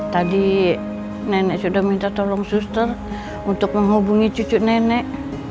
tadi nenek sudah minta tolong suster untuk menghubungi cucu nenek